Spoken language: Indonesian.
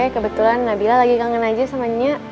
kebetulan nabila lagi kangen aja sama nyonya